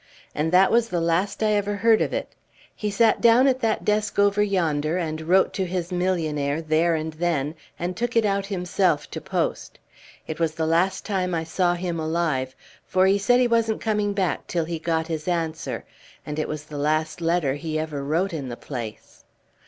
And that was the last I ever heard of it; he sat down at that desk over yonder and wrote to his millionaire there and then, and took it out himself to post. It was the last time I saw him alive, for he said he wasn't coming back till he got his answer, and it was the last letter he ever wrote in the place."